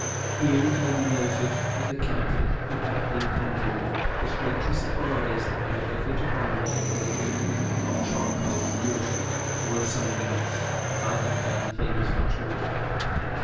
Here it may be noted that the captain, who had ink on board, was greatly surprised that I never hit upon a way of making ink of charcoal and water, or of something else, as I had done things much more difficult.